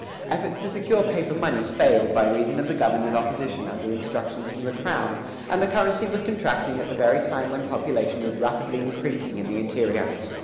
Efforts to secure paper money failed by reason of the governor's opposition under instructions from the crown, and the currency was contracting at the very time when population was rapidly increasing in the interior.